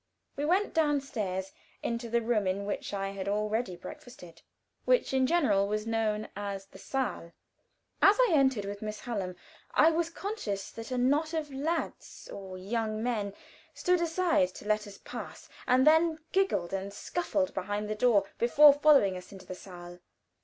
We went down stairs, into the room in which I had already breakfasted, which, in general, was known as the saal. As I entered with Miss Hallam I was conscious that a knot of lads or young men stood aside to let us pass, and then giggled and scuffled behind the door before following us into the saal.